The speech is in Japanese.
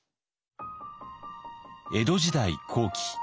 江戸時代後期。